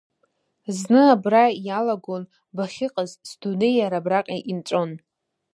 Зны абра иалагон, бахьыҟаз, сдунеи иара абраҟа инҵәон…